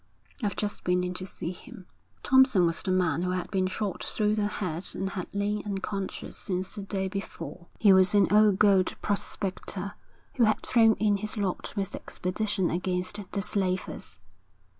'I've just been in to see him.' Thompson was the man who had been shot through the head and had lain unconscious since the day before. He was an old gold prospector, who had thrown in his lot with the expedition against the slavers.